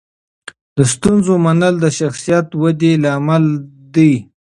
د ستونزو منل د شخصیت ودې لامل دی.